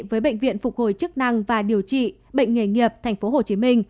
liên hệ với bệnh viện phục hồi chức năng và điều trị bệnh nghề nghiệp tp hcm